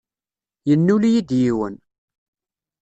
Yennul-iyi-d yiwen.